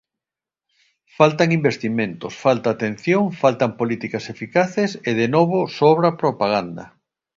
Faltan investimentos, falta atención, faltan políticas eficaces, e de novo sobra propaganda.